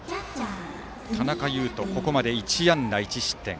田中優飛、ここまで１安打１失点。